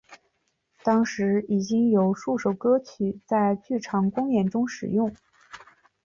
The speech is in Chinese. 当时已经有数首歌曲在剧场公演中使用。